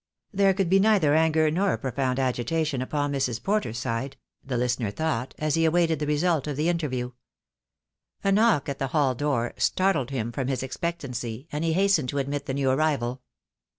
There could be neither anger nor profound agitation upon Mrs. Porter's side, the listener thought, as he awaited the result of the interview. A knock at the hall door startled him from his expectancy, and he hastened to admit the new arrival.